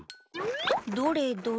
どれどれ？